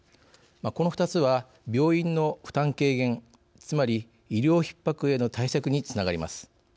この２つは、病院の負担軽減つまり、医療ひっ迫への対策につながります。